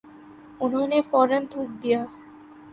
انہوں نے فورا تھوک دیا ۔